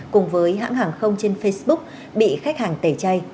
cùng với hãng hàng không trên facebook bị khách hàng tẩy chay